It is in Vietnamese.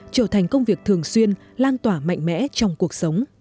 trở thành công việc thường xuyên lan tỏa mạnh mẽ trong cuộc sống